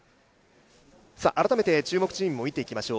改めて注目チームを見ていきましょう。